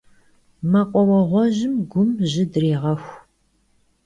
Mekhuaueğuejım gum jı drêğexu.